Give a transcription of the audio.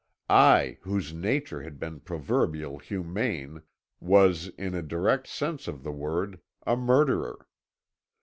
I, whose nature had been proverbially humane, was, in a direct sense of the word, a murderer.